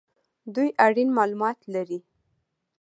دوی اړین مالومات لري